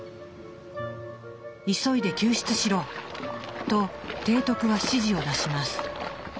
「急いで救出しろ！」と提督は指示を出します。